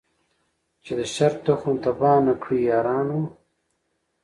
چي د شر تخم تباه نه کړی یارانو